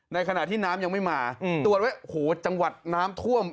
ในขณะที่น้ำยังไม่มาตรวจไว้โอ้โหจังหวัดน้ำท่วม